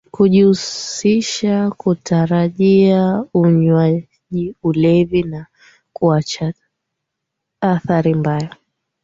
kujihusishakutarajia unywajiulevi na kuachaathari mbaya